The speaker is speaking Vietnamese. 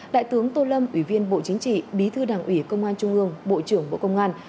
đại tướng tô lâm ủy viên bộ chính trị bí thư đảng ủy công an trung ương bộ trưởng bộ công an